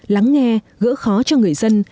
lắng nghe gỡ khó cho người dân